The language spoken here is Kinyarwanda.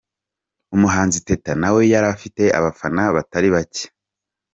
Umuhanzi Teta nawe yari afite abafana batari bacye.